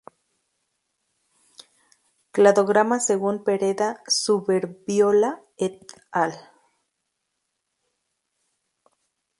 Cladograma según Pereda-Suberbiola "et al.